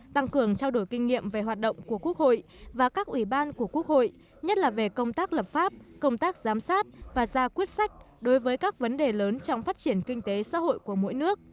tăng cường trao đổi kinh nghiệm về hoạt động của quốc hội và các ủy ban của quốc hội nhất là về công tác lập pháp công tác giám sát và ra quyết sách đối với các vấn đề lớn trong phát triển kinh tế xã hội của mỗi nước